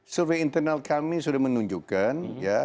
survei internal kami sudah menunjukkan ya